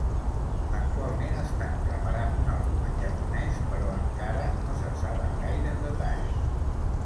Actualment estan preparant un àlbum en japonès però encara no se’n saben gaires detalls.